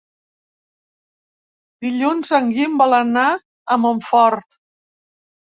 Dilluns en Guim vol anar a Montfort.